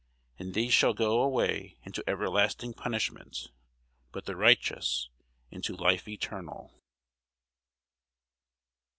And these shall go away into everlasting punishment: but the righteous into life eternal.